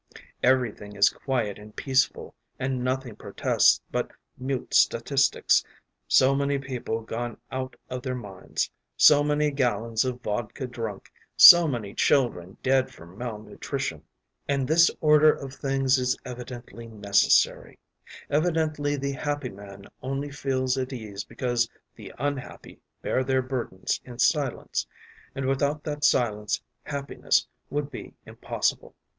Everything is quiet and peaceful, and nothing protests but mute statistics: so many people gone out of their minds, so many gallons of vodka drunk, so many children dead from malnutrition.... And this order of things is evidently necessary; evidently the happy man only feels at ease because the unhappy bear their burdens in silence, and without that silence happiness would be impossible.